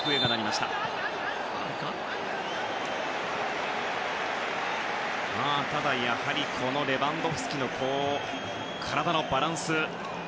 しかし、やはりレバンドフスキの体のバランス。